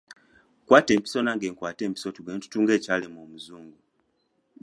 Kwata empiso nange nkwate empiso tugende tutunge ekyalema omuzungu.